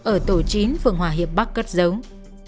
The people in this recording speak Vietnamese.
ở tổ chính phường hòa hiệp bắc cất giống